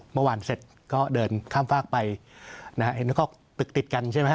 เมื่อวานเสร็จก็เดินข้ามฟากไปแล้วก็ตึกติดกันใช่ไหม